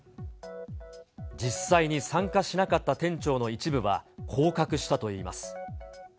実際に参加しなかった店長の一部は降格したといいます。